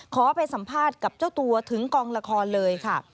ขอไปสัมภาษณ์กับเจ้าตัวถึงกองละครเลยค่ะ